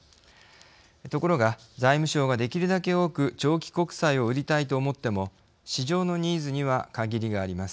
ところが、財務省ができるだけ多く長期国債を売りたいと思っても市場のニーズには限りがあります。